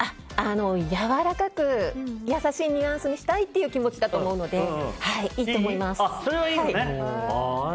やわらかく優しいニュアンスにしたいという気持ちだと思うのでいいと思います。